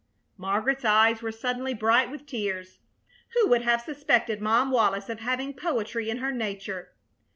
Margaret's eyes were suddenly bright with tears. Who would have suspected Mom Wallis of having poetry in her nature?